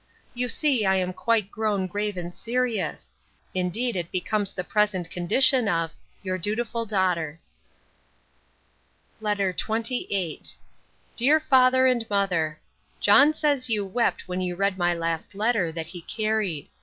You see I am quite grown grave and serious; indeed it becomes the present condition of Your dutiful DAUGHTER. LETTER XXVIII DEAR FATHER AND MOTHER, John says you wept when you read my last letter, that he carried.